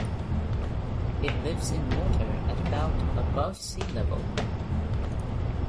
It lives in water at about above sea level.